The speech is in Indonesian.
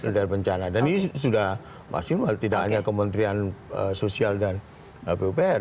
tidak ada bencana dan ini sudah masih tidak hanya kementrian sosial dan pupr